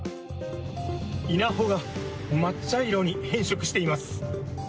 稲穂が真っ茶色に変色しています。